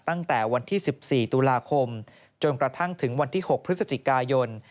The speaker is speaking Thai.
ตั้งแต่วันที่๑๔ตุลาคมจนกระทั่งถึงวันที่๖พฤศจิกายน